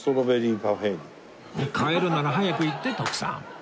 変えるなら早く言って徳さん